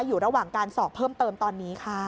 อยู่ระหว่างการสอบเพิ่มเติมตอนนี้ค่ะ